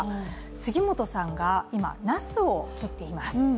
杉本さんが今、なすを切っています。